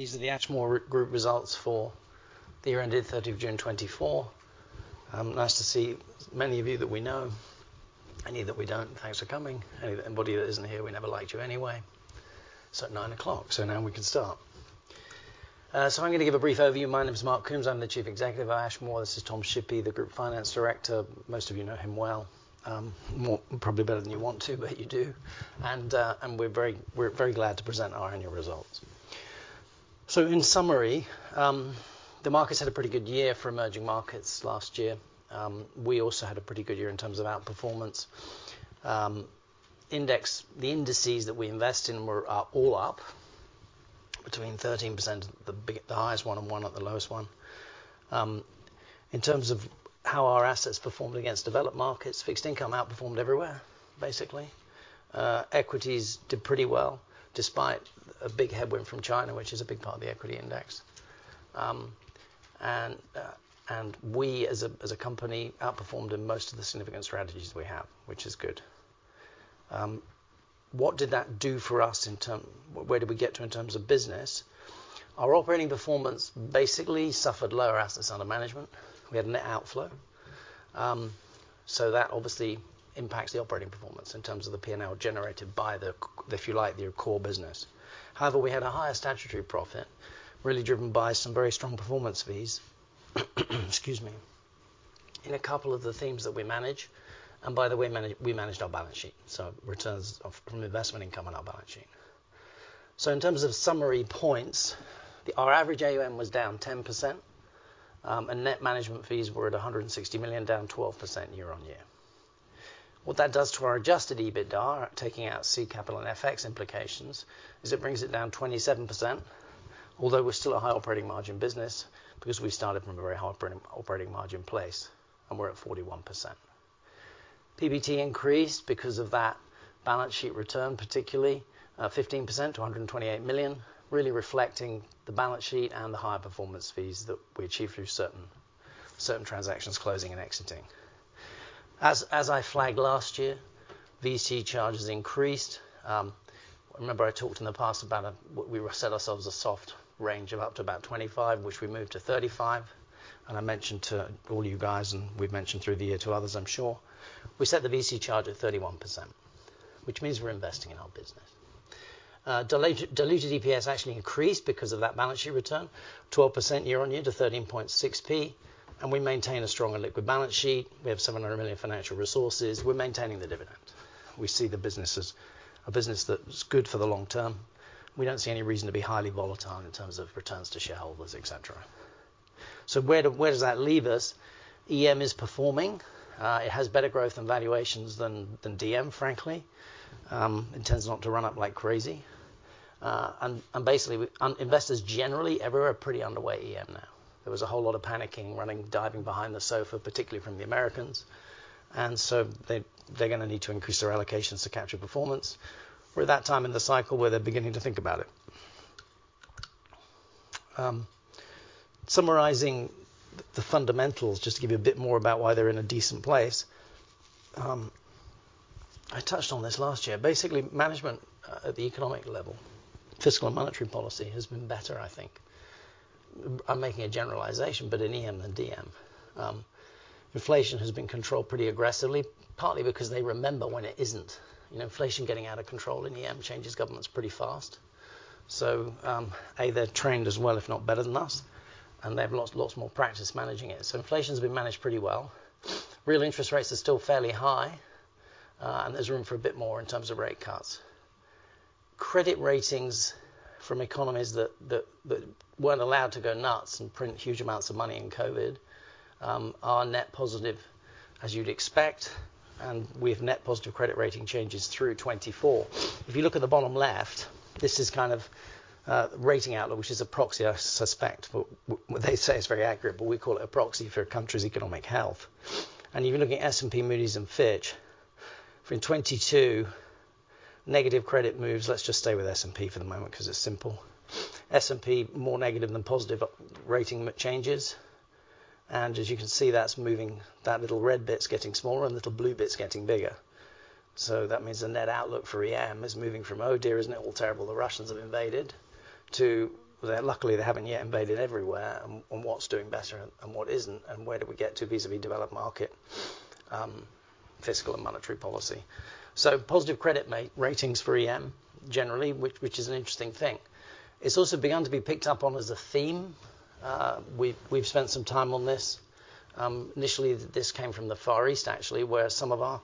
These are the Ashmore Group results for the year ended 30 June 2024. Nice to see many of you that we know, any that we don't, thanks for coming. Anybody that isn't here, we never liked you anyway. It's 9:00 A.M., so now we can start. So I'm going to give a brief overview. My name is Mark Coombs. I'm the Chief Executive of Ashmore. This is Tom Shippey, the Group Finance Director. Most of you know him well, more probably better than you want to, but you do. And we're very glad to present our annual results. So in summary, the markets had a pretty good year for emerging markets last year. We also had a pretty good year in terms of outperformance. The indices that we invest in were, are all up between 13%, the highest one and 1% at the lowest one. In terms of how our assets performed against developed markets, fixed income outperformed everywhere, basically. Equities did pretty well, despite a big headwind from China, which is a big part of the equity index, and we, as a company, outperformed in most of the significant strategies we have, which is good. What did that do for us? Where did we get to in terms of business? Our operating performance basically suffered lower assets under management. We had a net outflow. So that obviously impacts the operating performance in terms of the P&L generated by the, if you like, the core business. However, we had a higher statutory profit, really driven by some very strong performance fees, excuse me, in a couple of the themes that we manage, and by the way, we managed our balance sheet, so returns from investment income on our balance sheet. So in terms of summary points, our average AUM was down 10%, and net management fees were at 160 million, down 12% year on year. What that does to our adjusted EBITDA, taking out seed capital and FX implications, is it brings it down 27%, although we're still a high operating margin business because we started from a very high operating margin place, and we're at 41%. PBT increased because of that balance sheet return, particularly 15% to 128 million, really reflecting the balance sheet and the higher performance fees that we achieved through certain transactions closing and exiting. As I flagged last year, VC charges increased. Remember I talked in the past about we set ourselves a soft range of up to about 25, which we moved to 35, and I mentioned to all you guys, and we've mentioned through the year to others, I'm sure, we set the VC charge at 31%, which means we're investing in our business. Diluted EPS actually increased because of that balance sheet return, 12% year on year to 13.6p, and we maintain a strong and liquid balance sheet. We have 700 million financial resources. We're maintaining the dividend. We see the business as a business that's good for the long term. We don't see any reason to be highly volatile in terms of returns to shareholders, et cetera. So where does that leave us? EM is performing. It has better growth and valuations than DM, frankly. It tends not to run up like crazy. And basically, investors generally everywhere are pretty underweight EM now. There was a whole lot of panicking, running, diving behind the sofa, particularly from the Americans, and so they, they're gonna need to increase their allocations to capture performance. We're at that time in the cycle where they're beginning to think about it. Summarizing the fundamentals, just to give you a bit more about why they're in a decent place. I touched on this last year. Basically, management at the economic level, fiscal and monetary policy, has been better, I think. I'm making a generalization, but in EM than DM. Inflation has been controlled pretty aggressively, partly because they remember when it isn't. You know, inflation getting out of control in EM changes governments pretty fast. So, they're trained as well, if not better than us, and they've lost lots more practice managing it. So inflation's been managed pretty well. Real interest rates are still fairly high, and there's room for a bit more in terms of rate cuts. Credit ratings from economies that weren't allowed to go nuts and print huge amounts of money in COVID are net positive, as you'd expect, and we have net positive credit rating changes through 2024. If you look at the bottom left, this is kind of a rating outlook, which is a proxy, I suspect, but they say it's very accurate, but we call it a proxy for a country's economic health. And if you look at S&P, Moody's and Fitch, for in 2022, negative credit moves... Let's just stay with S&P for the moment because it's simple. S&P, more negative than positive rating changes, and as you can see, that's moving, that little red bit's getting smaller and little blue bit's getting bigger. So that means the net outlook for EM is moving from, "Oh, dear, isn't it all terrible? The Russians have invaded," to, "Luckily, they haven't yet invaded everywhere, and what's doing better and what isn't, and where do we get to vis-à-vis developed market, fiscal and monetary policy." So positive credit ratings for EM, generally, which is an interesting thing. It's also begun to be picked up on as a theme. We've spent some time on this. Initially, this came from the Far East, actually, where some of our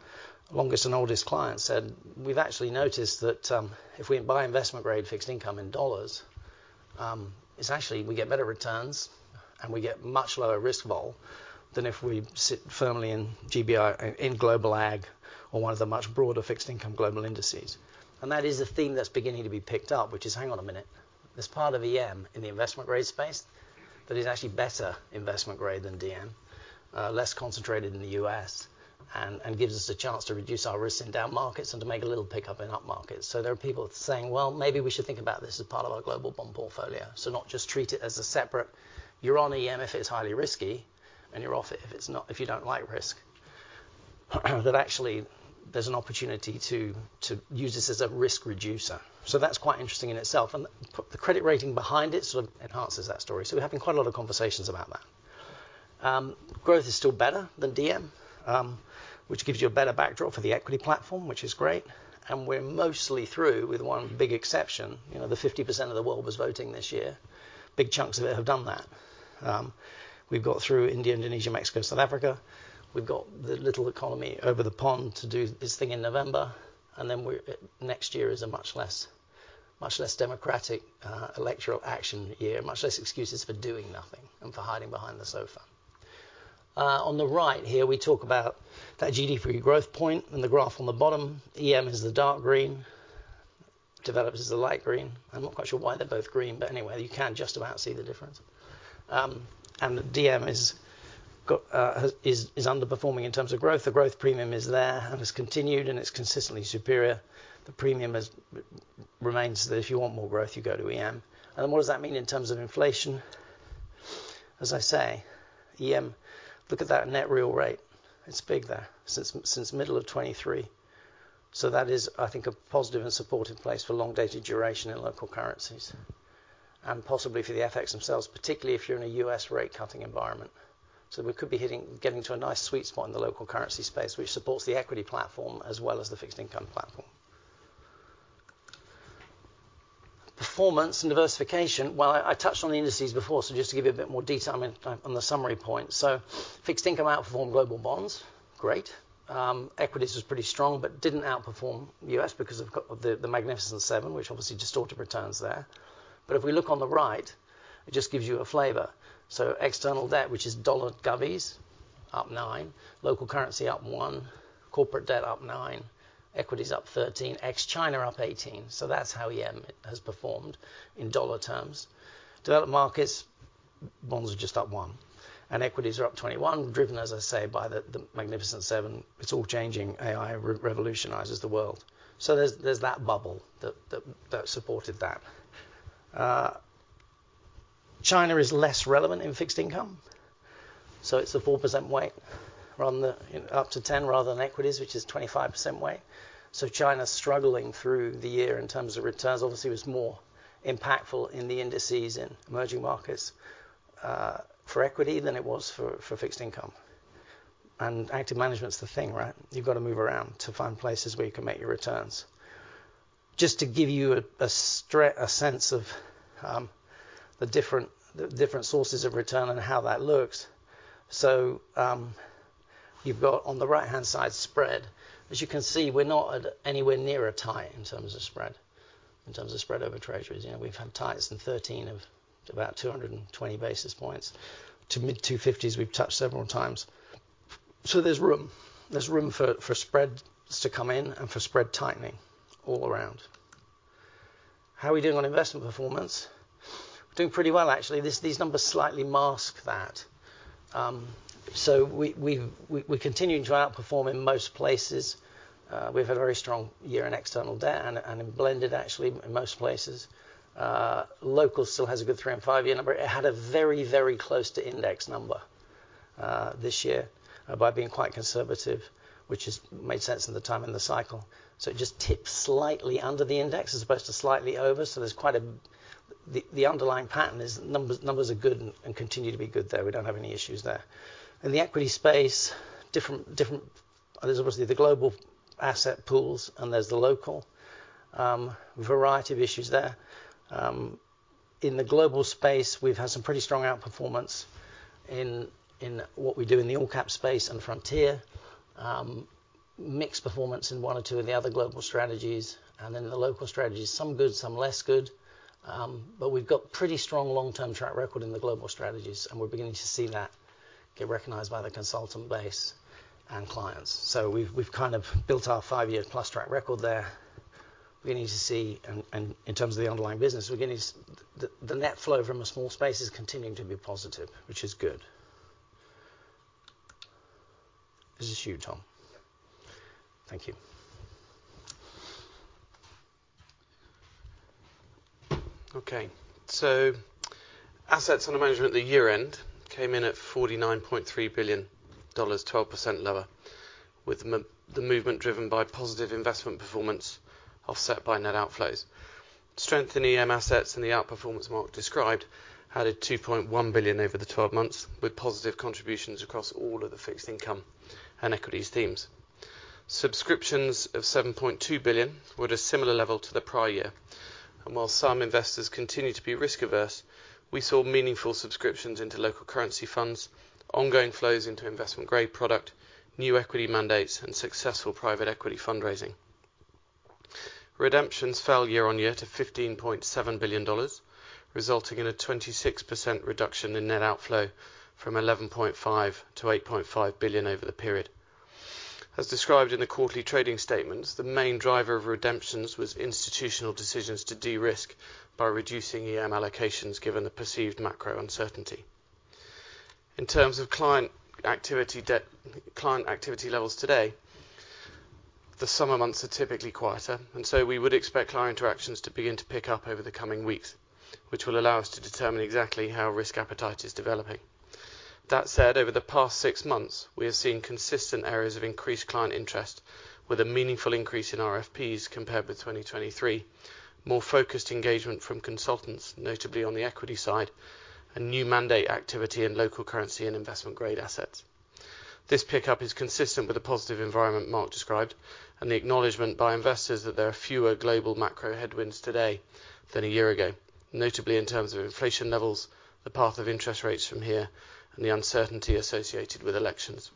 longest and oldest clients said, "We've actually noticed that, if we buy investment-grade fixed income in dollars, it's actually we get better returns, and we get much lower risk vol than if we sit firmly in GBI, in Global Ag or one of the much broader fixed income global indices." And that is a theme that's beginning to be picked up, which is, hang on a minute, there's part of EM in the investment grade space that is actually better investment grade than DM, less concentrated in the U.S. and, and gives us a chance to reduce our risk in down markets and to make a little pickup in upmarkets. There are people saying, "Well, maybe we should think about this as part of our global bond portfolio." Not just treat it as a separate, you're on EM if it's highly risky, and you're off it if it's not, if you don't like risk. That actually there's an opportunity to use this as a risk reducer. That's quite interesting in itself, and put the credit rating behind it sort of enhances that story. We're having quite a lot of conversations about that. Growth is still better than DM, which gives you a better backdrop for the equity platform, which is great, and we're mostly through, with one big exception, you know, 50% of the world was voting this year. Big chunks of it have done that. We've got through India, Indonesia, Mexico, South Africa. We've got the U.S. election over the pond to do this thing in November, and then next year is a much less democratic electoral action year, much less excuses for doing nothing and for hiding behind the sofa. On the right here, we talk about that GDP growth point and the graph on the bottom, EM is the dark green, developed is the light green. I'm not quite sure why they're both green, but anyway, you can just about see the difference. The DM is underperforming in terms of growth. The growth premium is there and has continued, and it's consistently superior. The premium remains that if you want more growth, you go to EM. What does that mean in terms of inflation? As I say, EM, look at that net real rate. It's big there, since middle of 2023. So that is, I think, a positive and supportive place for long-dated duration in local currencies and possibly for the FX themselves, particularly if you're in a U.S. rate cutting environment. So we could be hitting, getting to a nice sweet spot in the local currency space, which supports the equity platform as well as the fixed income platform. Performance and diversification. Well, I touched on the indices before, so just to give you a bit more detail, I mean, on the summary point. So fixed income outperformed global bonds, great. Equities was pretty strong but didn't outperform U.S. because of the Magnificent 7, which obviously distorted returns there. But if we look on the right, it just gives you a flavor. External debt, which is dollar govies, up nine, local currency up one, corporate debt up nine, equities up 13, ex-China up 18. That's how EM has performed in dollar terms. Developed markets, bonds are just up one, and equities are up 21, driven, as I say, by the Magnificent 7. It's all changing. AI revolutionizes the world. There's that bubble that supported that. China is less relevant in fixed income, so it's a 4% weight on the, up to ten rather than equities, which is 25% weight. China's struggling through the year in terms of returns, obviously, was more impactful in the indices in emerging markets for equity than it was for fixed income. Active management's the thing, right? You've got to move around to find places where you can make your returns. Just to give you a sense of the different sources of return and how that looks. So you've got on the right-hand side, spread. As you can see, we're not at anywhere near a tight in terms of spread, in terms of spread over treasuries. You know, we've had tights in 2013 of about 220 basis points to mid-250s we've touched several times. So there's room for spreads to come in and for spread tightening all around. How are we doing on investment performance? We're doing pretty well, actually. These numbers slightly mask that. So we're continuing to outperform in most places. We've had a very strong year in external debt and in blended, actually, in most places. Local still has a good three- and five-year number. It had a very, very close to index number this year by being quite conservative, which has made sense at the time in the cycle, so it just tips slightly under the index as opposed to slightly over, so there's quite a. The underlying pattern is numbers, numbers are good and continue to be good there. We don't have any issues there. In the equity space, there's obviously the global asset pools, and there's the local variety of issues there. In the global space, we've had some pretty strong outperformance in what we do in the all-cap space and frontier, mixed performance in one or two of the other global strategies, and then in the local strategies, some good, some less good. But we've got pretty strong long-term track record in the global strategies, and we're beginning to see that get recognized by the consultant base and clients. So we've kind of built our five-year plus track record there. We're beginning to see, and in terms of the underlying business, we're getting the net flow from a small base is continuing to be positive, which is good. This is you, Tom. Yeah. Thank you. Okay, so assets under management at the year-end came in at $49.3 billion, 12% lower, with the movement driven by positive investment performance offset by net outflows. Strength in EM assets and the outperformance Mark described added $2.1 billion over the 12 months, with positive contributions across all of the fixed income and equities themes. Subscriptions of $7.2 billion were at a similar level to the prior year, and while some investors continued to be risk-averse, we saw meaningful subscriptions into local currency funds, ongoing flows into investment-grade product, new equity mandates, and successful private equity fundraising. Redemptions fell year on year to $15.7 billion, resulting in a 26% reduction in net outflow from $11.5 billion to $8.5 billion over the period. As described in the quarterly trading statements, the main driver of redemptions was institutional decisions to de-risk by reducing EM allocations given the perceived macro uncertainty. In terms of client activity levels today, the summer months are typically quieter, and so we would expect client interactions to begin to pick up over the coming weeks, which will allow us to determine exactly how risk appetite is developing. That said, over the past six months, we have seen consistent areas of increased client interest, with a meaningful increase in RFPs compared with 2023. More focused engagement from consultants, notably on the equity side, and new mandate activity in local currency and investment-grade assets. This pickup is consistent with the positive environment Mark described, and the acknowledgment by investors that there are fewer global macro headwinds today than a year ago, notably in terms of inflation levels, the path of interest rates from here, and the uncertainty associated with elections.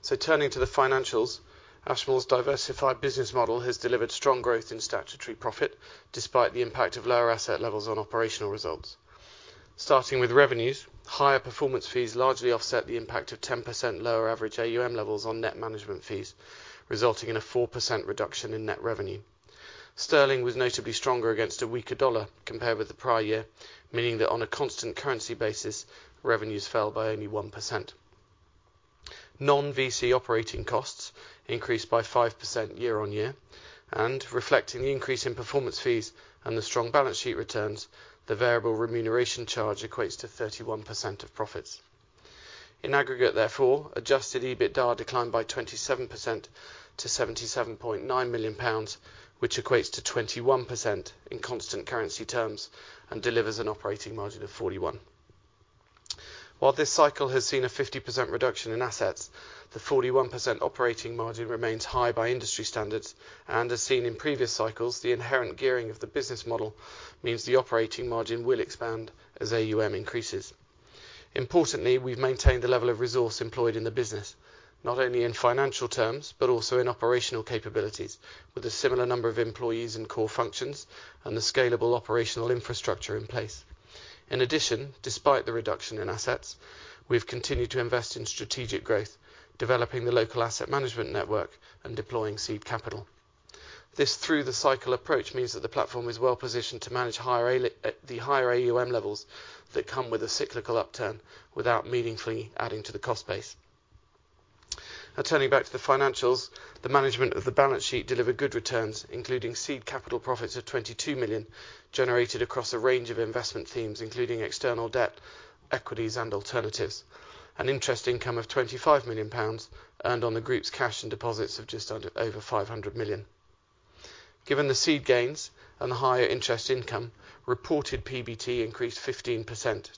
So turning to the financials, Ashmore's diversified business model has delivered strong growth in statutory profit, despite the impact of lower asset levels on operational results. Starting with revenues, higher performance fees largely offset the impact of 10% lower average AUM levels on net management fees, resulting in a 4% reduction in net revenue. Sterling was notably stronger against a weaker dollar compared with the prior year, meaning that on a constant currency basis, revenues fell by only 1%. Non-VC operating costs increased by 5% year-on-year, and reflecting the increase in performance fees and the strong balance sheet returns, the variable remuneration charge equates to 31% of profits. In aggregate, therefore, adjusted EBITDA declined by 27% to 77.9 million pounds, which equates to 21% in constant currency terms and delivers an operating margin of 41. While this cycle has seen a 50% reduction in assets, the 41% operating margin remains high by industry standards, and as seen in previous cycles, the inherent gearing of the business model means the operating margin will expand as AUM increases. Importantly, we've maintained the level of resource employed in the business, not only in financial terms, but also in operational capabilities, with a similar number of employees in core functions and the scalable operational infrastructure in place. In addition, despite the reduction in assets, we've continued to invest in strategic growth, developing the local asset management network and deploying seed capital. This through the cycle approach means that the platform is well-positioned to manage higher AUM levels that come with a cyclical upturn without meaningfully adding to the cost base. Now, turning back to the financials, the management of the balance sheet delivered good returns, including seed capital profits of 22 million, generated across a range of investment themes, including external debt, equities, and alternatives. Interest income of 25 million pounds earned on the group's cash and deposits of just over 500 million. Given the seed gains and the higher interest income, reported PBT increased 15%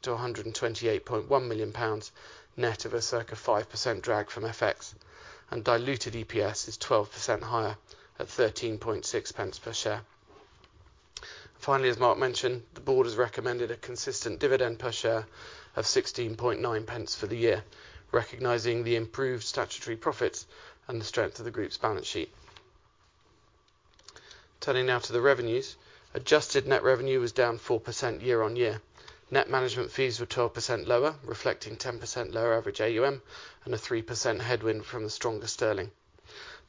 to 128.1 million pounds, net of a circa 5% drag from FX, and diluted EPS is 12% higher at 13.6p per share. Finally, as Mark mentioned, the board has recommended a consistent dividend per share of 16.9p for the year, recognizing the improved statutory profits and the strength of the group's balance sheet. Turning now to the revenues. Adjusted net revenue was down 4% year-on-year. Net management fees were 12% lower, reflecting 10% lower average AUM and a 3% headwind from the stronger sterling.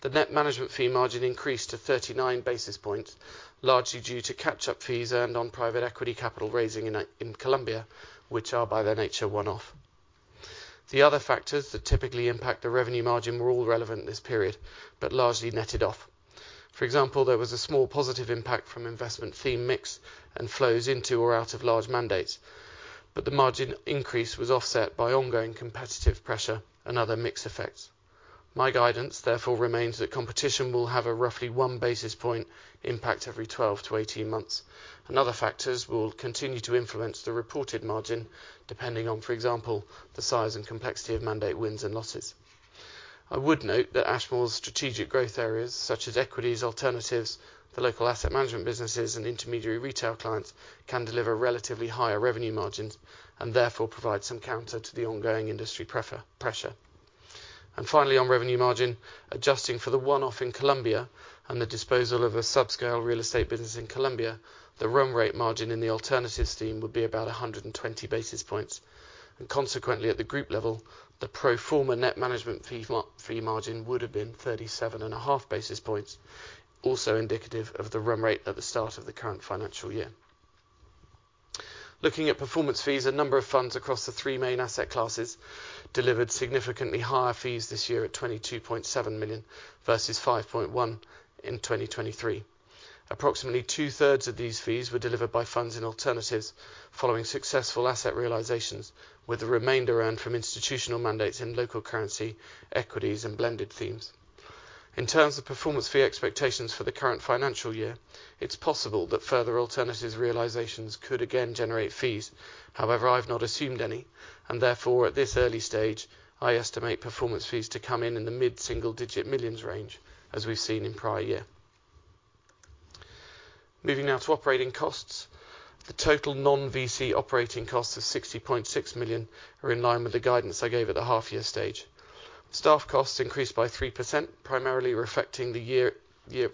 The net management fee margin increased to 39 basis points, largely due to catch-up fees earned on private equity capital raising in Colombia, which are, by their nature, one-off. The other factors that typically impact the revenue margin were all relevant this period, but largely netted off. For example, there was a small positive impact from investment theme mix and flows into or out of large mandates, but the margin increase was offset by ongoing competitive pressure and other mix effects. My guidance, therefore, remains that competition will have a roughly 1 basis point impact every 12-18 months, and other factors will continue to influence the reported margin, depending on, for example, the size and complexity of mandate wins and losses. I would note that Ashmore's strategic growth areas, such as equities, alternatives, the local asset management businesses, and intermediary retail clients, can deliver relatively higher revenue margins and therefore provide some counter to the ongoing industry pressure. Finally, on revenue margin, adjusting for the one-off in Colombia and the disposal of a subscale real estate business in Colombia, the run rate margin in the alternatives team would be about a 120 basis points. Consequently, at the group level, the pro forma net management fee, fee margin would have been 37.5 basis points, also indicative of the run rate at the start of the current financial year. Looking at performance fees, a number of funds across the three main asset classes delivered significantly higher fees this year at 22.7 million, versus 5.1 in 2023. Approximately 2/3 of these fees were delivered by funds in alternatives following successful asset realizations, with the remainder earned from institutional mandates in local currency, equities, and blended themes. In terms of performance fee expectations for the current financial year, it's possible that further alternatives realizations could again generate fees. However, I've not assumed any, and therefore, at this early stage, I estimate performance fees to come in in the mid-single-digit millions range, as we've seen in prior year. Moving now to operating costs. The total non-VC operating costs of 60.6 million are in line with the guidance I gave at the half-year stage. Staff costs increased by 3%, primarily reflecting the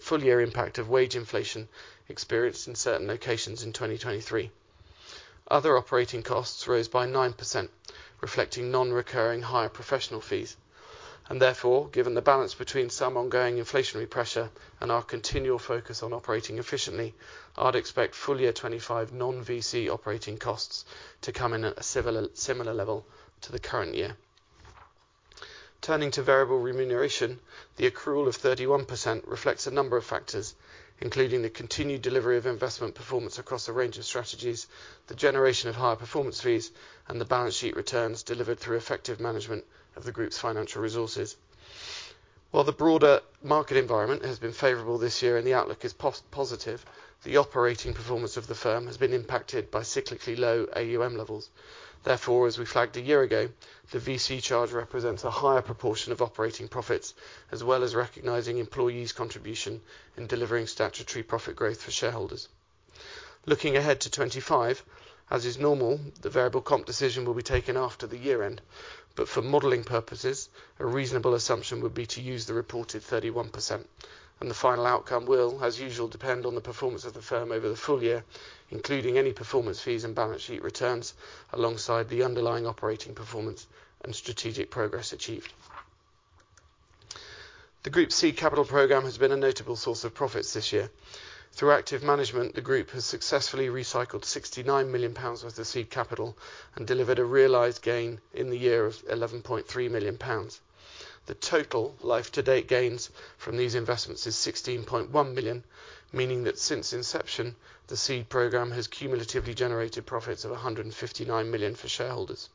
full-year impact of wage inflation experienced in certain locations in 2023. Other operating costs rose by 9%, reflecting non-recurring higher professional fees. Therefore, given the balance between some ongoing inflationary pressure and our continual focus on operating efficiently, I'd expect full year 2025 non-VC operating costs to come in at a similar level to the current year. Turning to variable remuneration, the accrual of 31% reflects a number of factors, including the continued delivery of investment performance across a range of strategies, the generation of higher performance fees, and the balance sheet returns delivered through effective management of the group's financial resources. While the broader market environment has been favorable this year and the outlook is positive, the operating performance of the firm has been impacted by cyclically low AUM levels. Therefore, as we flagged a year ago, the VC charge represents a higher proportion of operating profits, as well as recognizing employees' contribution in delivering statutory profit growth for shareholders. Looking ahead to 2025, as is normal, the variable comp decision will be taken after the year-end, but for modeling purposes, a reasonable assumption would be to use the reported 31%, and the final outcome will, as usual, depend on the performance of the firm over the full year, including any performance fees and balance sheet returns, alongside the underlying operating performance and strategic progress achieved. The group seed capital programme has been a notable source of profits this year. Through active management, the group has successfully recycled 69 million pounds worth of seed capital and delivered a realized gain in the year of 11.3 million pounds. The total life-to-date gains from these investments is 16.1 million, meaning that since inception, the seed program has cumulatively generated profits of 159 million for shareholders.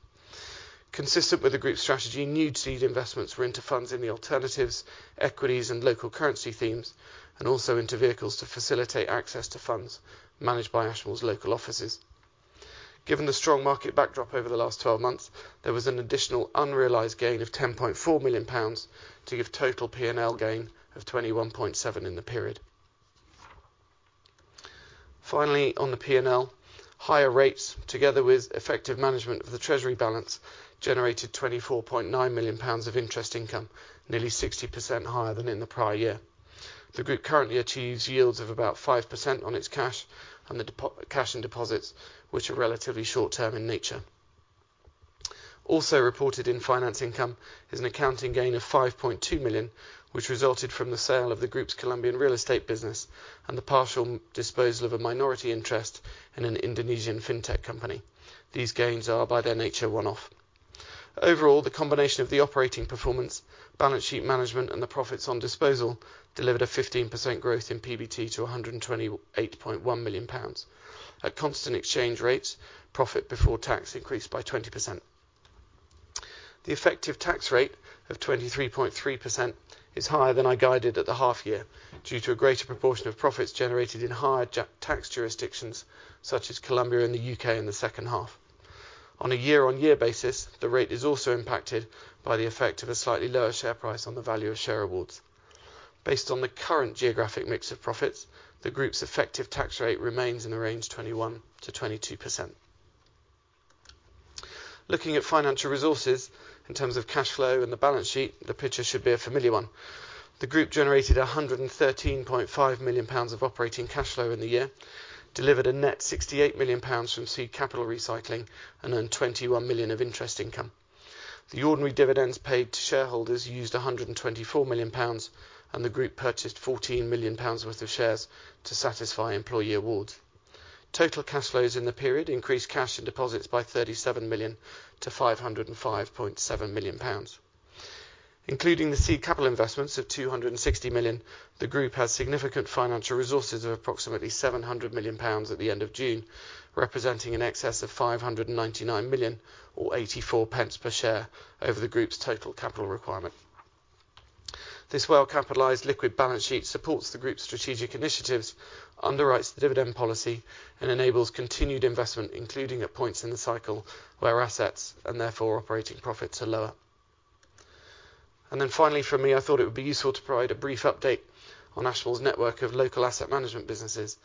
Consistent with the group's strategy, new seed investments were into funds in the alternatives, equities, and local currency themes, and also into vehicles to facilitate access to funds managed by Ashmore's local offices. Given the strong market backdrop over the last 12 months, there was an additional unrealized gain of 10.4 million pounds to give total P&L gain of 21.7 in the period. Finally, on the P&L, higher rates, together with effective management of the treasury balance, generated 24.9 million pounds of interest income, nearly 60% higher than in the prior year. The group currently achieves yields of about 5% on its cash and deposits, which are relatively short term in nature. Also reported in finance income is an accounting gain of 5.2 million, which resulted from the sale of the group's Colombian real estate business and the partial disposal of a minority interest in an Indonesian fintech company. These gains are, by their nature, one-off. Overall, the combination of the operating performance, balance sheet management, and the profits on disposal delivered a 15% growth in PBT to 128.1 million pounds. At constant exchange rates, profit before tax increased by 20%. The effective tax rate of 23.3% is higher than I guided at the half year, due to a greater proportion of profits generated in higher-tax jurisdictions, such as Colombia and the UK, in the second half. On a year-on-year basis, the rate is also impacted by the effect of a slightly lower share price on the value of share awards. Based on the current geographic mix of profits, the group's effective tax rate remains in the range 21%-22%. Looking at financial resources in terms of cash flow and the balance sheet, the picture should be a familiar one. The group generated 113.5 million pounds of operating cash flow in the year, delivered a net 68 million pounds from seed capital recycling, and earned 21 million of interest income. The ordinary dividends paid to shareholders used 124 million pounds, and the group purchased 14 million pounds worth of shares to satisfy employee awards. Total cash flows in the period increased cash and deposits by 37 million to 505.7 million pounds. Including the seed capital investments of 260 million, the group has significant financial resources of approximately 700 million pounds at the end of June, representing in excess of 599 million or 84p per share over the group's total capital requirement. This well-capitalized liquid balance sheet supports the group's strategic initiatives, underwrites the dividend policy, and enables continued investment, including at points in the cycle where assets and therefore operating profits are lower. Then finally, for me, I thought it would be useful to provide a brief update on Ashmore's network of local asset management businesses.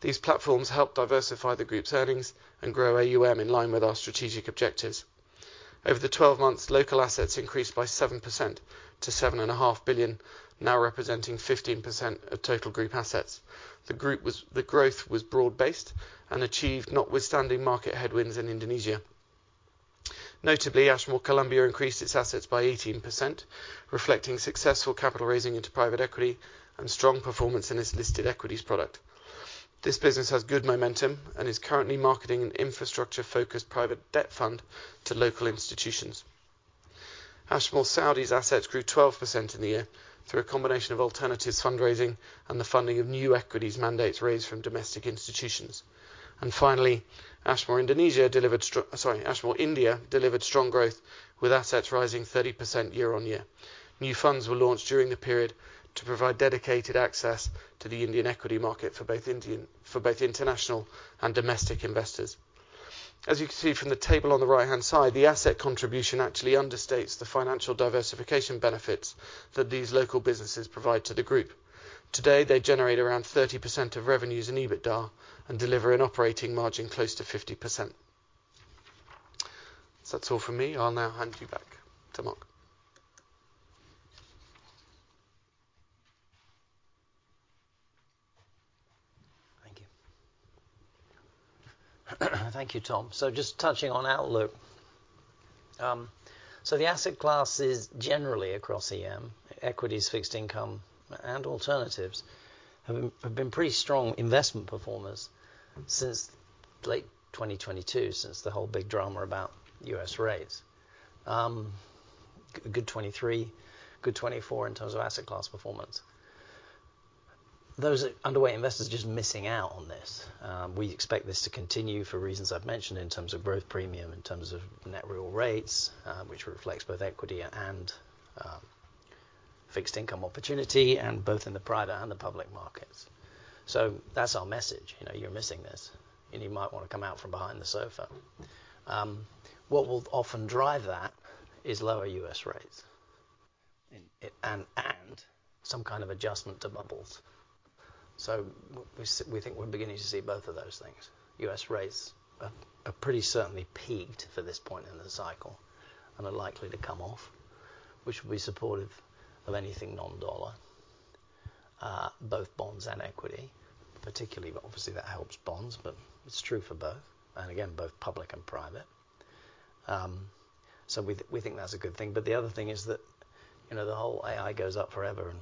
These platforms help diversify the group's earnings and grow AUM in line with our strategic objectives. Over the 12 months, local assets increased by 7% to 7.5 billion, now representing 15% of total group assets. The growth was broad-based and achieved notwithstanding market headwinds in Indonesia. Notably, Ashmore Colombia increased its assets by 18%, reflecting successful capital raising into private equity and strong performance in its listed equities product. This business has good momentum and is currently marketing an infrastructure-focused private debt fund to local institutions. Ashmore Saudi's assets grew 12% in the year through a combination of alternatives fundraising and the funding of new equities mandates raised from domestic institutions. And finally, Ashmore India delivered strong growth, with assets rising 30% year-on-year. New funds were launched during the period to provide dedicated access to the Indian equity market for both international and domestic investors. As you can see from the table on the right-hand side, the asset contribution actually understates the financial diversification benefits that these local businesses provide to the group. Today, they generate around 30% of revenues in EBITDA and deliver an operating margin close to 50%. So that's all from me. I'll now hand you back to Mark. Thank you. Thank you, Tom. So just touching on outlook. So the asset classes generally across EM, equities, fixed income, and alternatives, have been pretty strong investment performers since late 2022, since the whole big drama about U.S. rates. A good 2023, good 2024 in terms of asset class performance. Those underweight investors are just missing out on this. We expect this to continue for reasons I've mentioned, in terms of growth premium, in terms of net real rates, which reflects both equity and fixed income opportunity, and both in the private and the public markets. So that's our message, you know, you're missing this, and you might want to come out from behind the sofa. What will often drive that is lower U.S. rates, and some kind of adjustment to bubbles. So we think we're beginning to see both of those things. U.S. rates are pretty certainly peaked for this point in the cycle and are likely to come off, which will be supportive of anything non-dollar, both bonds and equity, particularly, but obviously, that helps bonds, but it's true for both and again, both public and private. So we think that's a good thing. But the other thing is that, you know, the whole AI goes up forever, and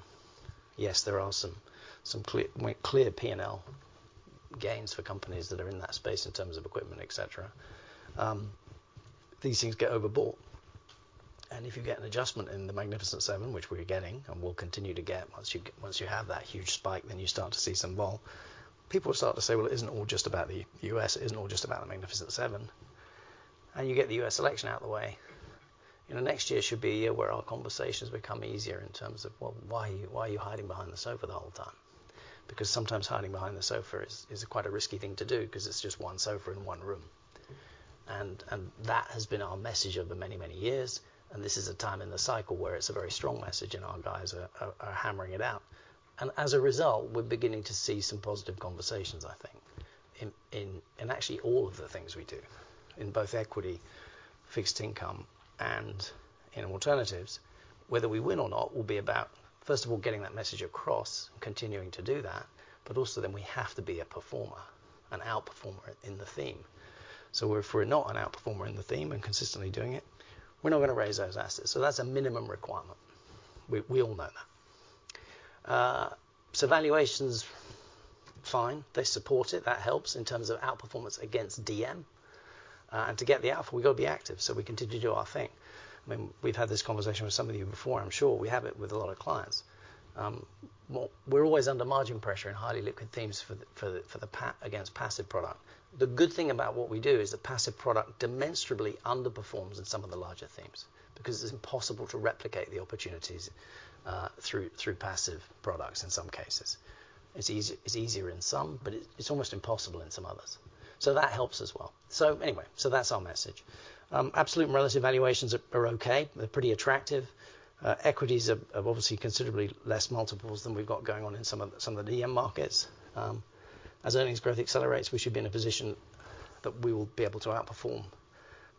yes, there are some clear P&L gains for companies that are in that space in terms of equipment, et cetera. These things get overbought, and if you get an adjustment in the Magnificent 7, which we're getting and will continue to get, once you have that huge spike, then you start to see some vol. People start to say, "Well, it isn't all just about the U.S., it isn't all just about the Magnificent 7," and you get the U.S. election out of the way. You know, next year should be a year where our conversations become easier in terms of, well, why are you, why are you hiding behind the sofa the whole time? Because sometimes hiding behind the sofa is quite a risky thing to do, 'cause it's just one sofa in one room, and that has been our message over many, many years, and this is a time in the cycle where it's a very strong message, and our guys are hammering it out, and as a result, we're beginning to see some positive conversations, I think, in actually all of the things we do, in both equity, fixed income, and in alternatives. Whether we win or not will be about, first of all, getting that message across and continuing to do that, but also then we have to be a performer, an outperformer in the theme. So if we're not an outperformer in the theme and consistently doing it, we're not going to raise those assets. So that's a minimum requirement. We all know that. So valuations, fine, they support it. That helps in terms of outperformance against DM. And to get the alpha, we've got to be active, so we continue to do our thing. I mean, we've had this conversation with some of you before, and I'm sure we have it with a lot of clients. Well, we're always under margin pressure in highly liquid themes against passive product. The good thing about what we do is the passive product demonstrably underperforms in some of the larger themes, because it's impossible to replicate the opportunities through passive products in some cases. It's easier in some, but it's almost impossible in some others. So that helps as well. Anyway, that's our message. Absolute and relative valuations are okay. They're pretty attractive. Equities have obviously considerably less multiples than we've got going on in some of the EM markets. As earnings growth accelerates, we should be in a position that we will be able to outperform,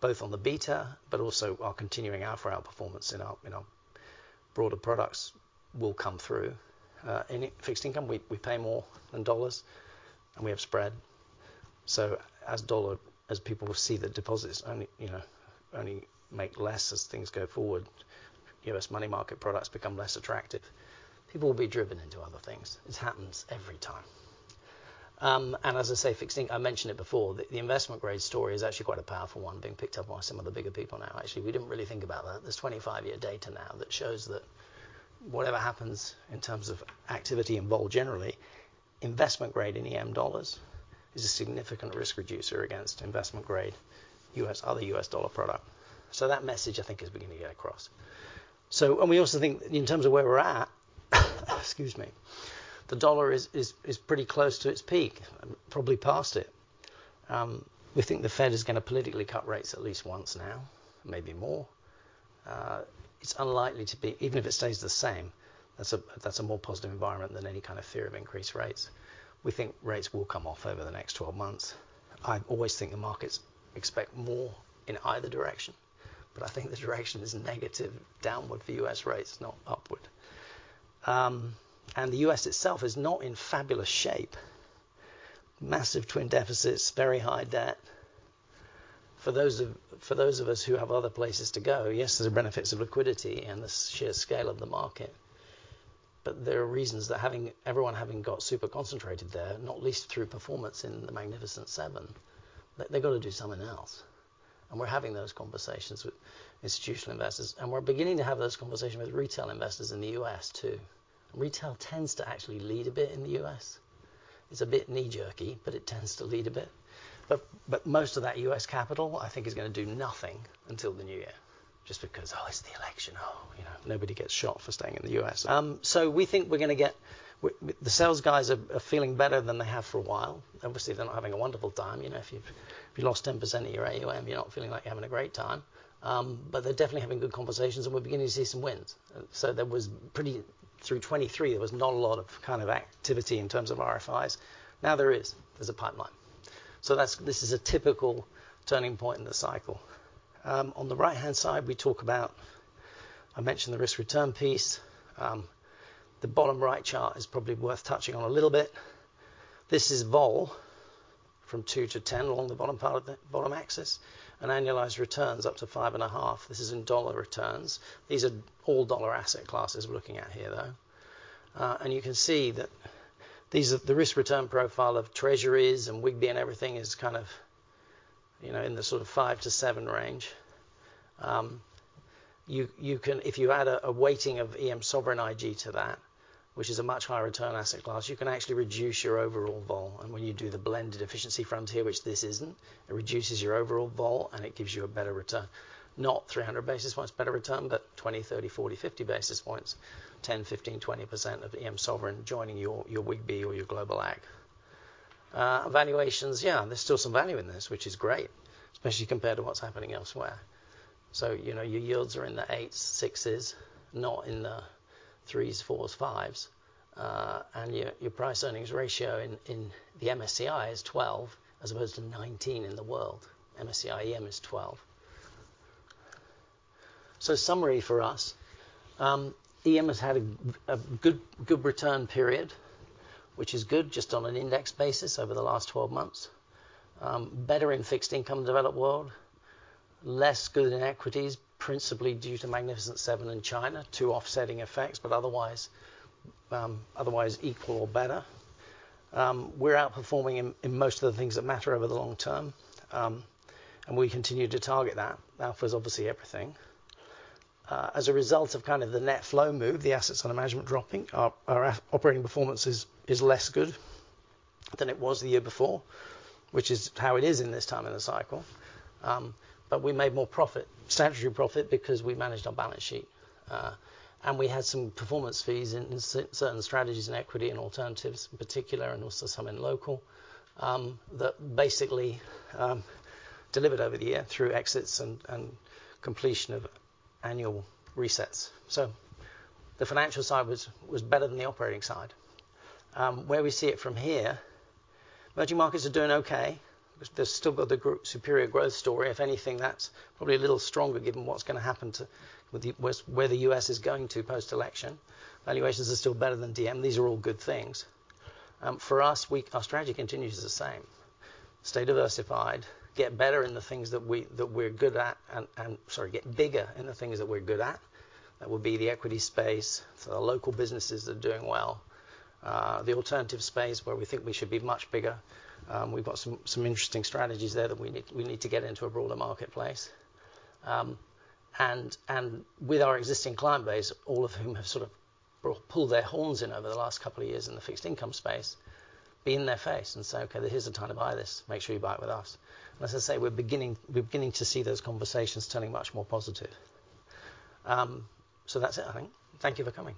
both on the beta, but also our continuing alpha outperformance in our broader products will come through. In fixed income, we pay more than dollars, and we have spread. So as people will see the deposits only, you know, only make less as things go forward, U.S. money market products become less attractive, people will be driven into other things. This happens every time. And as I say, fixed income, I mentioned it before, the investment grade story is actually quite a powerful one, being picked up by some of the bigger people now. Actually, we didn't really think about that. There's 25-year data now that shows that whatever happens in terms of activity in vol, generally, investment grade in EM dollars is a significant risk reducer against investment grade U.S., other U.S. dollar product. So that message, I think, is beginning to get across. And we also think in terms of where we're at, excuse me, the dollar is pretty close to its peak and probably past it. We think the Fed is going to politically cut rates at least once now, maybe more. It's unlikely to be. Even if it stays the same, that's a more positive environment than any kind of fear of increased rates. We think rates will come off over the next 12 months. I always think the markets expect more in either direction, but I think the direction is negative downward for U.S. rates, not upward, and the U.S. itself is not in fabulous shape. Massive twin deficits, very high debt. For those of us who have other places to go, yes, there's the benefits of liquidity and the sheer scale of the market, but there are reasons that having everyone having got super concentrated there, not least through performance in the Magnificent 7, that they've got to do something else. We're having those conversations with institutional investors, and we're beginning to have those conversations with retail investors in the U.S., too. Retail tends to actually lead a bit in the U.S.. It's a bit knee-jerky, but it tends to lead a bit. But most of that U.S. capital, I think, is going to do nothing until the new year just because, "Oh, it's the election. Oh, you know," nobody gets shot for staying in the U.S.. So we think we're going to get the sales guys are feeling better than they have for a while. Obviously, they're not having a wonderful time. You know, if you lost 10% of your AUM, you're not feeling like you're having a great time. But they're definitely having good conversations, and we're beginning to see some wins. So there was pretty. Through 2023, there was not a lot of, kind of, activity in terms of RFIs. Now, there is. There's a pipeline. So that's this is a typical turning point in the cycle. On the right-hand side, we talk about, I mentioned the risk-return piece. The bottom right chart is probably worth touching on a little bit. This is vol from two to 10 along the bottom part of the bottom axis, and annualized returns up to 5.5. This is in dollar returns. These are all dollar asset classes we're looking at here, though. And you can see that these are the risk-return profile of treasuries and WGBI and everything is kind of... You know, in the sort of 5-7 range, you can, if you add a weighting of EM sovereign IG to that, which is a much higher return asset class, you can actually reduce your overall vol. And when you do the blended efficiency frontier, which this isn't, it reduces your overall vol, and it gives you a better return. Not 300 basis points better return, but 20, 30, 40, 50 basis points, 10%, 15%, 20% of EM sovereign joining your WGBI or your Global Ag. Valuations, yeah, there's still some value in this, which is great, especially compared to what's happening elsewhere. So, you know, your yields are in the eights, sixes, not in the threes, fours, fives. And your price earnings ratio in the MSCI is 12 as opposed to 19 in the world. MSCI EM is 12. So summary for us, EM has had a good return period, which is good just on an index basis over the last 12 months. Better in fixed income developed world, less good in equities, principally due to Magnificent 7 in China, two offsetting effects, but otherwise equal or better. We're outperforming in most of the things that matter over the long term, and we continue to target that. Alpha is obviously everything. As a result of kind of the net flow move, the assets under management dropping, our operating performance is less good than it was the year before, which is how it is in this time in the cycle. But we made more profit, statutory profit, because we managed our balance sheet, and we had some performance fees in certain strategies in equity and alternatives, in particular, and also some in local, that basically delivered over the year through exits and completion of annual resets. So the financial side was better than the operating side. Where we see it from here, emerging markets are doing okay. They've still got the group superior growth story. If anything, that's probably a little stronger given what's gonna happen to, with the, where the U.S. is going to post-election. Valuations are still better than DM. These are all good things. For us, our strategy continues the same. Stay diversified, get better in the things that we're good at, and. Sorry, get bigger in the things that we're good at. That would be the equity space for the local businesses that are doing well. The alternative space where we think we should be much bigger, we've got some interesting strategies there that we need to get into a broader marketplace, and with our existing client base, all of whom have sort of pulled their horns in over the last couple of years in the fixed income space, be in their face and say, "Okay, here's the time to buy this. Make sure you buy it with us." As I say, we're beginning to see those conversations turning much more positive, so that's it, I think. Thank you for coming.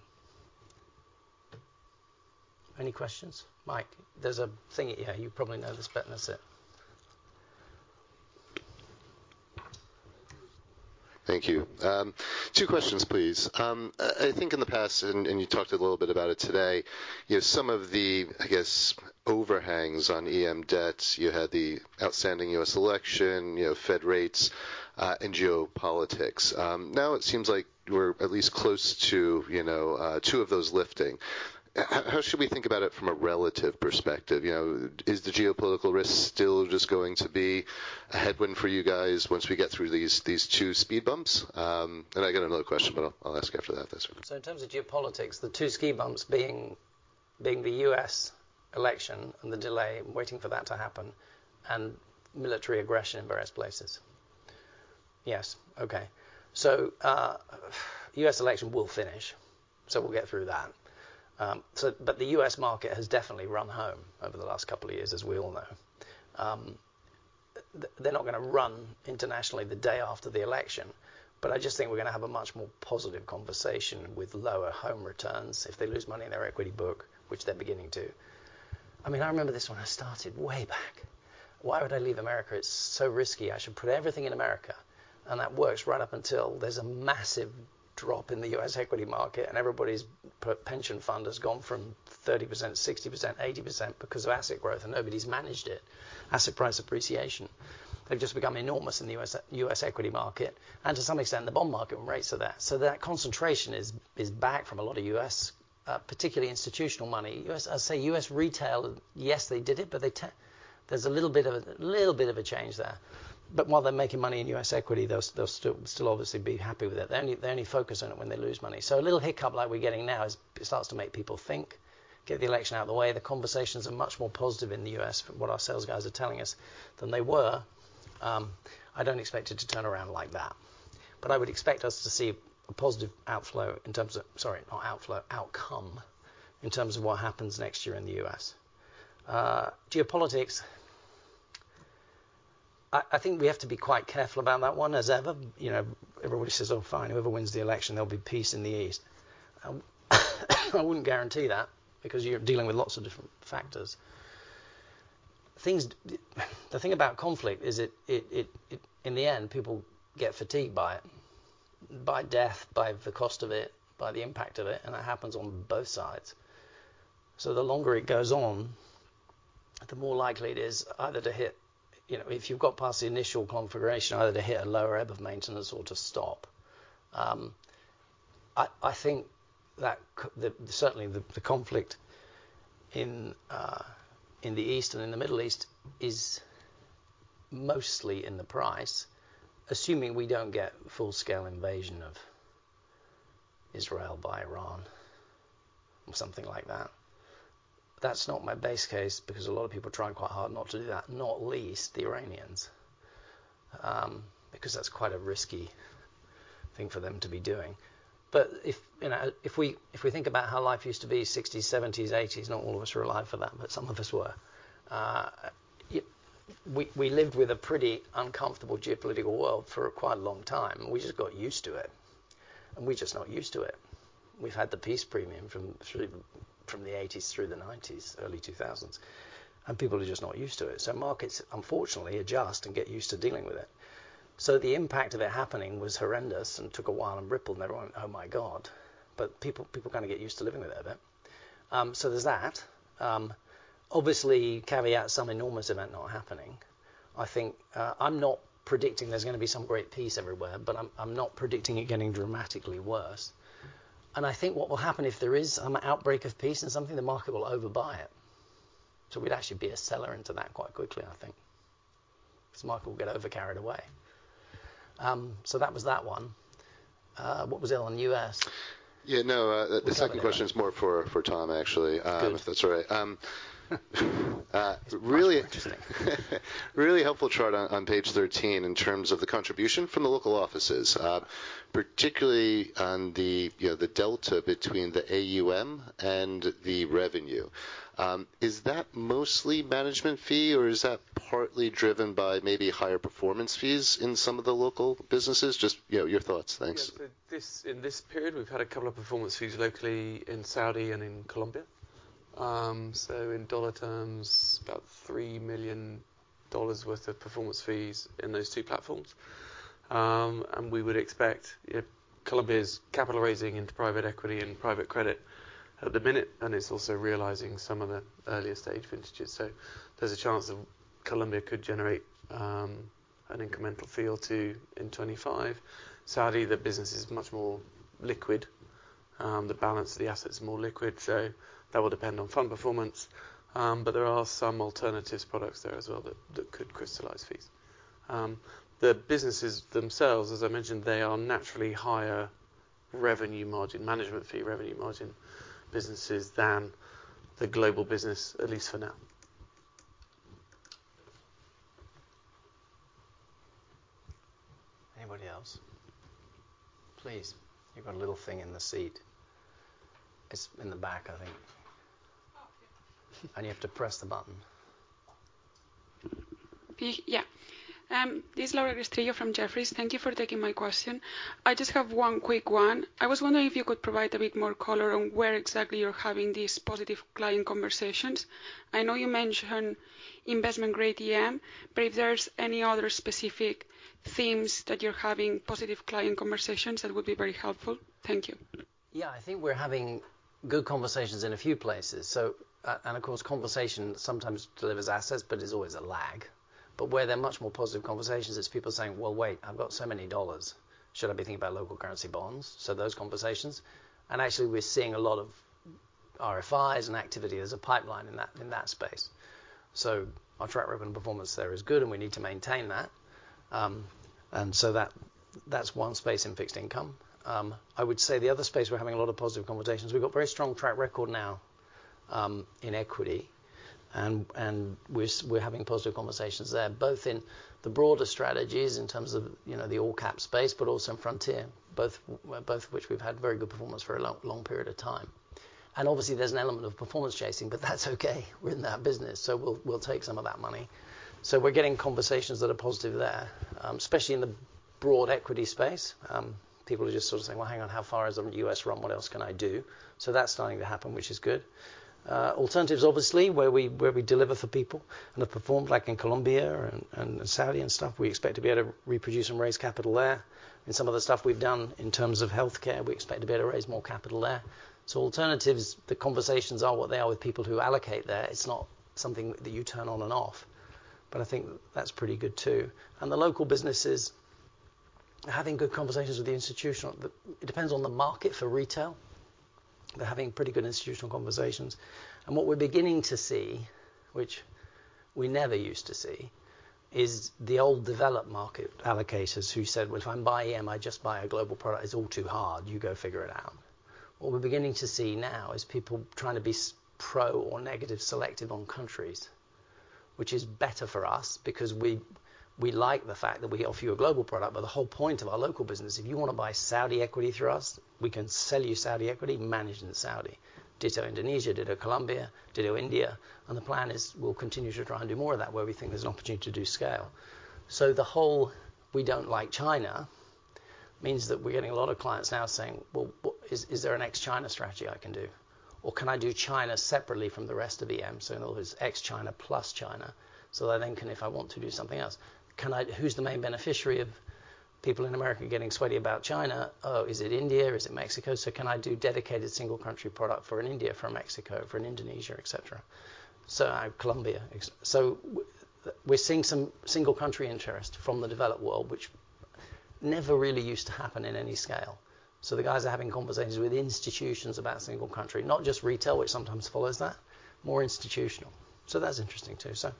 Any questions? Mike, there's a thingy here. You probably know this better than I said. Thank you. Two questions, please. I think in the past, and you talked a little bit about it today, you know, some of the, I guess, overhangs on EM debts, you had the outstanding U.S. election, you know, Fed rates, and geopolitics. Now it seems like we're at least close to, you know, two of those lifting. How should we think about it from a relative perspective? You know, is the geopolitical risk still just going to be a headwind for you guys once we get through these two speed bumps? And I got another question, but I'll ask you after that, that's okay. So in terms of geopolitics, the two speed bumps being the U.S. election and the delay, waiting for that to happen, and military aggression in various places? Yes. Okay. So, U.S. election will finish, so we'll get through that. So but the U.S. market has definitely run home over the last couple of years, as we all know. They're not gonna run internationally the day after the election, but I just think we're gonna have a much more positive conversation with lower home returns if they lose money in their equity book, which they're beginning to. I mean, I remember this when I started way back. Why would I leave America? It's so risky. I should put everything in America, and that works right up until there's a massive drop in the U.S. equity market, and everybody's pension fund has gone from 30%, 60%, 80% because of asset growth, and nobody's managed it. Asset price appreciation. They've just become enormous in the U.S. equity market and to some extent, the bond market and rates are there. So that concentration is back from a lot of U.S., particularly institutional money. U.S., I say U.S. retail, yes, they did it, but there's a little bit of a change there. But while they're making money in U.S. equity, they'll still obviously be happy with it. They only focus on it when they lose money. So a little hiccup like we're getting now is, it starts to make people think, get the election out of the way. The conversations are much more positive in the U.S. from what our sales guys are telling us than they were. I don't expect it to turn around like that, but I would expect us to see a positive outflow in terms of. Sorry, not outflow, outcome, in terms of what happens next year in the U.S.. Geopolitics, I think we have to be quite careful about that one as ever. You know, everybody says, "Oh, fine, whoever wins the election, there'll be peace in the East." I wouldn't guarantee that because you're dealing with lots of different factors. The thing about conflict is it, in the end, people get fatigued by it, by death, by the cost of it, by the impact of it, and that happens on both sides. So the longer it goes on, the more likely it is either to hit, you know, if you've got past the initial configuration, either to hit a lower ebb of maintenance or to stop. I think that certainly, the conflict in the East and in the Middle East is mostly in the price, assuming we don't get full-scale invasion of Israel by Iran or something like that. That's not my base case, because a lot of people are trying quite hard not to do that, not least the Iranians, because that's quite a risky thing for them to be doing. But if, you know, if we, if we think about how life used to be 60s, 70s, 80s, not all of us were alive for that, but some of us were. We, we lived with a pretty uncomfortable geopolitical world for quite a long time. We just got used to it, and we're just not used to it. We've had the peace premium from through, from the eighties through the 90s, early 2000s, and people are just not used to it. So markets unfortunately adjust and get used to dealing with it. So the impact of it happening was horrendous and took a while and rippled, and everyone, "Oh my God!" But people, people kinda get used to living with it a bit. So there's that. Obviously, carry out some enormous event not happening. I think I'm not predicting there's gonna be some great peace everywhere, but I'm not predicting it getting dramatically worse, and I think what will happen if there is an outbreak of peace and something, the market will overbuy it, so we'd actually be a seller into that quite quickly, I think, because the market will get over carried away, so that was that one. What was it on U.S.? Yeah, no, the second question is more for Tom, actually. Good. If that's all right. Really- Interesting. Really helpful chart on page 13 in terms of the contribution from the local offices, particularly on the, you know, the delta between the AUM and the revenue. Is that mostly management fee, or is that partly driven by maybe higher performance fees in some of the local businesses? Just, you know, your thoughts. Thanks. Yes, in this period, we've had a couple of performance fees locally in Saudi and in Colombia. So in dollar terms, about $3 million worth of performance fees in those two platforms. And we would expect if Colombia's capital raising into private equity and private credit at the minute, and it's also realizing some of the earlier stage vintages. So there's a chance that Colombia could generate an incremental fee in 2025. Saudi, the business is much more liquid. The balance of the assets is more liquid, so that will depend on fund performance. But there are some alternatives products there as well, that could crystallize fees. The businesses themselves, as I mentioned, they are naturally higher revenue margin, management fee, revenue margin businesses than the global business, at least for now. Anybody else? Please, you've got a little thing in the seat. It's in the back, I think. Oh, okay. You have to press the button. Yeah. This is Laura Castillo from Jefferies. Thank you for taking my question. I just have one quick one. I was wondering if you could provide a bit more color on where exactly you're having these positive client conversations. I know you mentioned investment grade EM, but if there's any other specific themes that you're having positive client conversations, that would be very helpful. Thank you. Yeah, I think we're having good conversations in a few places. So, and of course, conversation sometimes delivers assets, but there's always a lag. But where there are much more positive conversations is people saying: "Well, wait, I've got so many dollars. Should I be thinking about local currency bonds?" So those conversations. And actually, we're seeing a lot of RFIs and activity. There's a pipeline in that space. So our track record and performance there is good, and we need to maintain that. And so that, that's one space in fixed income. I would say the other space, we're having a lot of positive conversations. We've got a very strong track record now in equity, and we're having positive conversations there, both in the broader strategies in terms of, you know, the all-cap space, but also in frontier, both which we've had very good performance for a long, long period of time, and obviously, there's an element of performance chasing, but that's okay. We're in that business, so we'll take some of that money, so we're getting conversations that are positive there, especially in the broad equity space. People are just sort of saying: Well, hang on, how far can the U.S. run? What else can I do?, so that's starting to happen, which is good. Alternatives, obviously, where we deliver for people and have performed, like in Colombia and Saudi and stuff, we expect to be able to reproduce and raise capital there. In some of the stuff we've done in terms of healthcare, we expect to be able to raise more capital there. So alternatives, the conversations are what they are with people who allocate there. It's not something that you turn on and off, but I think that's pretty good, too. And the local businesses are having good conversations with the institutional. It depends on the market for retail. They're having pretty good institutional conversations, and what we're beginning to see, which we never used to see, is the old developed market allocators who said: "Well, if I buy EM, I just buy a global product. It's all too hard. You go figure it out." What we're beginning to see now is people trying to be super pro or negative, selective on countries, which is better for us because we, we like the fact that we offer you a global product. But the whole point of our local business, if you want to buy Saudi equity through us, we can sell you Saudi equity, managed in Saudi. Ditto Indonesia, ditto Colombia, ditto India. And the plan is we'll continue to try and do more of that, where we think there's an opportunity to do scale. So the whole, we don't like China, means that we're getting a lot of clients now saying: "Well, what is there an ex-China strategy I can do? Or can I do China separately from the rest of EM?" So in other words, ex-China plus China. So they then can if I want to do something else. Can I—who's the main beneficiary of people in America getting sweaty about China? Oh, is it India? Is it Mexico? So can I do dedicated single country product for an India, for a Mexico, for an Indonesia, et cetera. So, Colombia. So we're seeing some single country interest from the developed world, which never really used to happen in any scale. So the guys are having conversations with institutions about single country, not just retail, which sometimes follows that, more institutional. So that's interesting, too. So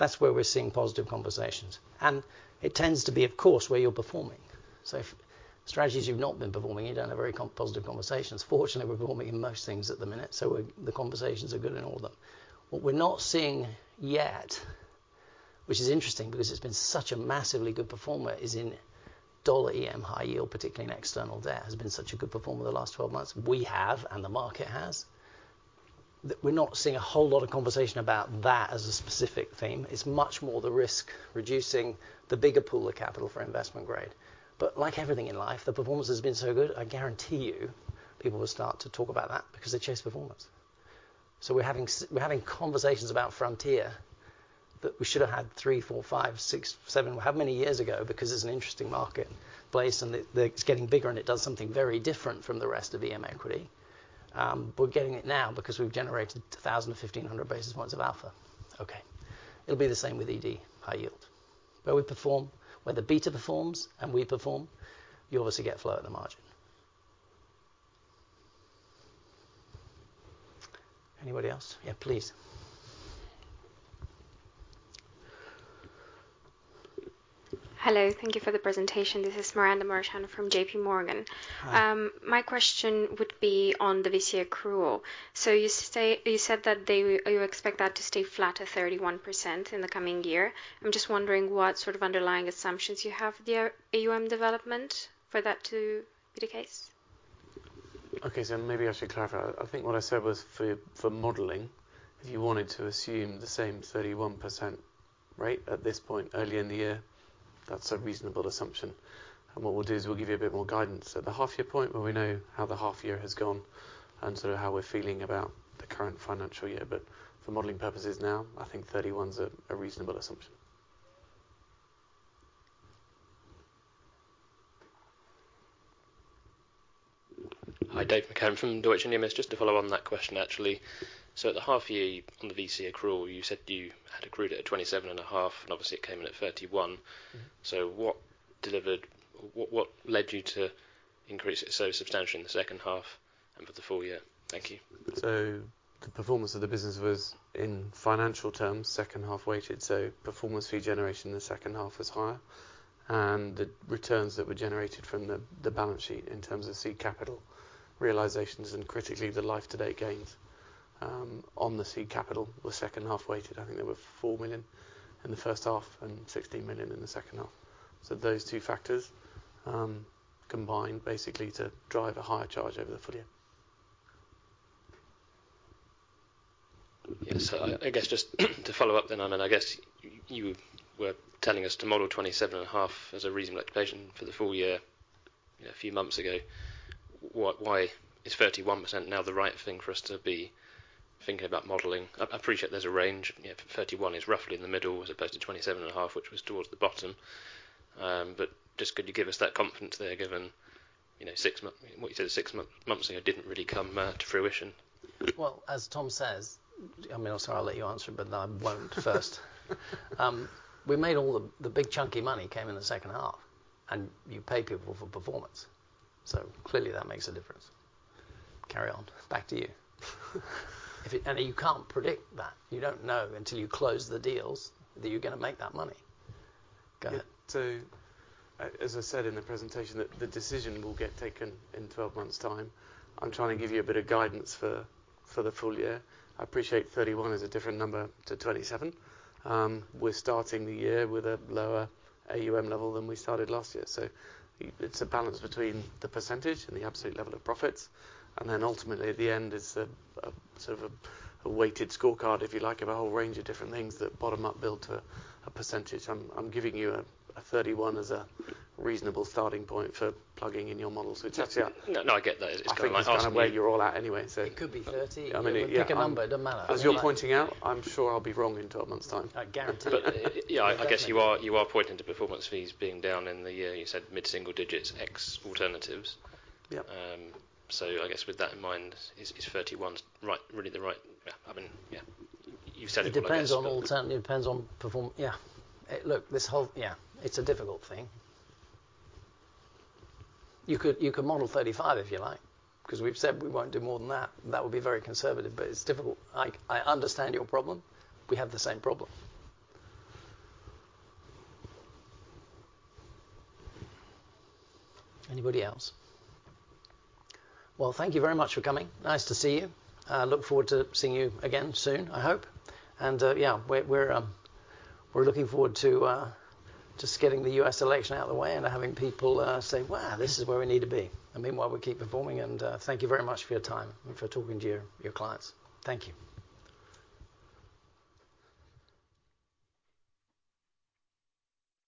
that's where we're seeing positive conversations, and it tends to be, of course, where you're performing. So if strategies you've not been performing, you don't have very compelling positive conversations. Fortunately, we're performing in most things at the minute, so the conversations are good in all of them. What we're not seeing yet, which is interesting because it's been such a massively good performer, is in dollar EM high yield, particularly in external debt, has been such a good performer the last 12 months. We have, and the market has. That we're not seeing a whole lot of conversation about that as a specific theme. It's much more the risk, reducing the bigger pool of capital for investment grade. But like everything in life, the performance has been so good, I guarantee you people will start to talk about that because they chase performance. So we're having conversations about frontier that we should have had three, four, five, six, seven, however many years ago, because it's an interesting marketplace, and it's getting bigger, and it does something very different from the rest of EM equity. We're getting it now because we've generated a 1500 basis points of alpha. Okay. It'll be the same with ED, high yield. Where we perform, where the beta performs, and we perform, you obviously get flow at the margin. Anybody else? Yeah, please. Hello, thank you for the presentation. This is from JPMorgan. Hi. My question would be on the VC accrual. So you say, you said that they, you expect that to stay flat at 31% in the coming year. I'm just wondering what sort of underlying assumptions you have there, AUM development, for that to be the case? Okay, so maybe I should clarify. I think what I said was for modeling, if you wanted to assume the same 31% rate at this point earlier in the year, that's a reasonable assumption. And what we'll do is we'll give you a bit more guidance at the half-year point, where we know how the half year has gone and sort of how we're feeling about the current financial year. But for modeling purposes now, I think 31's a reasonable assumption. Hi, Dave McCann from Deutsche Numis. Just to follow on that question, actually. So at the half year, on the VC accrual, you said you had accrued it at 27.5, and obviously it came in at 31. What led you to increase it so substantially in the second half and for the full year? Thank you. So the performance of the business was, in financial terms, second half weighted, so performance fee generation in the second half was higher. And the returns that were generated from the balance sheet in terms of seed capital, realizations, and critically, the life-to-date gains on the seed capital were second half weighted. I think there were 4 million in the first half and 16 million in the second half. So those two factors combined basically to drive a higher charge over the full year. Yes, so I guess just to follow up then, and I guess you were telling us to model 27.5% as a reasonable expectation for the full year, a few months ago. Why is 31% now the right thing for us to be thinking about modeling? I appreciate there's a range. You know, 31% is roughly in the middle as opposed to 27.5%, which was towards the bottom. But just could you give us that confidence there, given what you said six months ago didn't really come to fruition? Well, as Tom says. I mean, I'm sorry, I'll let you answer, but I won't first. We made all the big chunky money came in the second half, and you pay people for performance, so clearly, that makes a difference. Carry on. Back to you, and you can't predict that. You don't know until you close the deals, that you're gonna make that money. Go ahead. So, as I said in the presentation, the decision will get taken in twelve months' time. I'm trying to give you a bit of guidance for the full year. I appreciate 31 is a different number to 27. We're starting the year with a lower AUM level than we started last year, so it's a balance between the percentage and the absolute level of profits. And then ultimately, at the end, it's a sort of a weighted scorecard, if you like, of a whole range of different things that bottom-up build to a percentage. I'm giving you a 31 as a reasonable starting point for plugging in your model. So it's actually- No, no, I get that. It's kind of like asking me- I think that's were you're all at anyway, so- It could be 30. I mean. Pick a number, it doesn't matter. As you're pointing out, I'm sure I'll be wrong in 12 months' time. I guarantee it. But, yeah, I guess you are pointing to performance fees being down in the year. You said mid-single digits, ex alternatives. Yep. So I guess with that in mind, is thirty-one right, really the right? Yeah, I mean, yeah, you've said it depends. It depends on the alternative. Look, it's a difficult thing. You could model thirty-five if you like, 'cause we've said we won't do more than that. That would be very conservative, but it's difficult. I understand your problem. We have the same problem. Anybody else? Well, thank you very much for coming. Nice to see you. Look forward to seeing you again soon, I hope. Yeah, we're looking forward to just getting the U.S. election out of the way and having people say, "Wow, this is where we need to be." Meanwhile, we keep performing, and thank you very much for your time and for talking to your clients. Thank you.